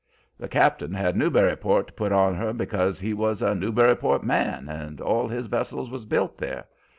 The cap'n had Newburyport put on to her because he was a Newburyport man and all his vessels was built there.